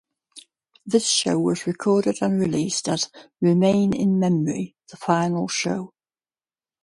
This show was recorded and released as, "Remain in Memory - The Final Show".